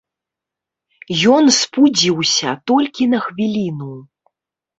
Ён спудзіўся толькі на хвіліну.